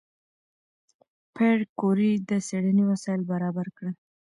پېیر کوري د څېړنې وسایل برابر کړل.